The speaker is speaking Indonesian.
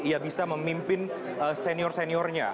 ia bisa memimpin senior seniornya